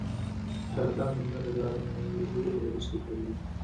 د حیرتان بندر له لارې میوې روسیې ته ځي.